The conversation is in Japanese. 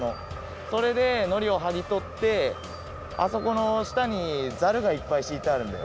それでのりをはぎとってあそこのしたにザルがいっぱいしいてあるんだよ